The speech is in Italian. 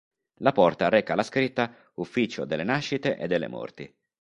La porta reca la scritta "Ufficio delle Nascite e delle Morti".